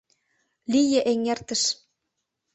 Лие эҥертыш!